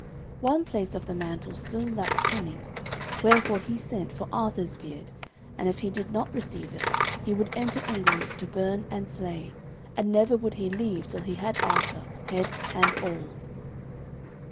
One place of the mantle still lacked trimming; wherefore he sent for Arthur's beard, and if he did not receive it he would enter England to burn and slay, and never would he leave till he had Arthur, head and all.